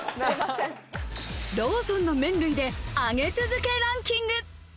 ローソンの麺類で上げ続けランキング。